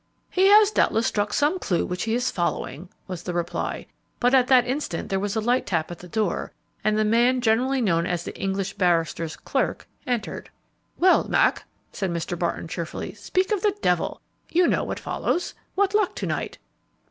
"He has doubtless struck some clue which he is following," was the reply; but at that instant there was a light tap at the door, and the man generally known as the English barrister's "clerk" entered. "Well, Mac," said Mr. Barton, cheerfully, "'speak of the devil' you know what follows! What luck to night?"